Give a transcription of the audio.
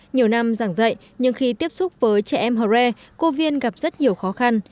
nhiều năm giảng dạy nhưng khi tiếp xúc với trẻ em hờ re cô viên gặp rất nhiều khó khăn